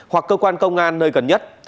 hoặc cơ quan công an nơi gần nhất